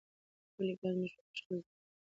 ولې باید موږ په پښتو زده کړه وکړو؟